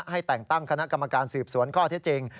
ให้แต่งตั้งคณะกรรมการสืบสวนข้อเท็จจริง